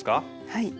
はい。